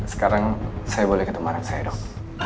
sekarang saya boleh ketemu anak saya dok